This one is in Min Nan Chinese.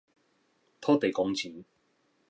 土地公錢